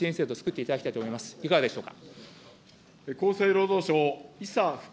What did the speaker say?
いかがでしょうか。